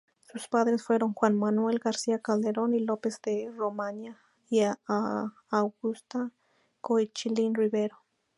Sus padres fueron Juan Manuel García-Calderón y López de Romaña y Augusta Koechlin Rivero.